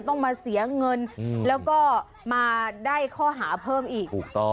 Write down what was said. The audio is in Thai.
ต้องมาเสียเงินแล้วก็มาได้ข้อหาเพิ่มอีกถูกต้อง